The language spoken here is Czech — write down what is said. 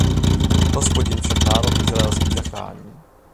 Hospodin však národ izraelský zachrání.